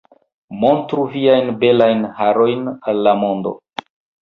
Montru viajn belajn harojn al la mondo